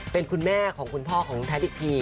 เป็นคุณแม่ของคุณพ่อของแพทย์อีกที